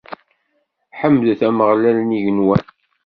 Ḥemdet Ameɣlal n yigenwan!